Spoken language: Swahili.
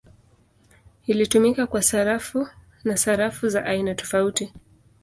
Ilitumika kwa sarafu na sarafu za aina tofauti.